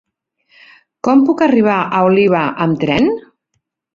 Com puc arribar a Oliva amb tren?